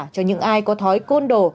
cho những ai có thói côn đồ